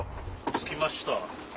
着きました。